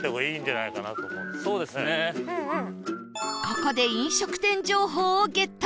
ここで飲食店情報をゲット